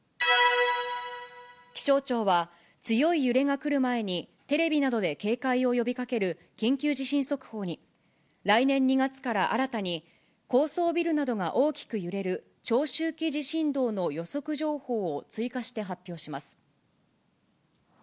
気象庁は、強い揺れが来る前にテレビなどで警戒を呼びかける緊急地震速報に、来年２月から新たに高層ビルなどが大きく揺れる長周期地震動の予測情報を追加して発表します。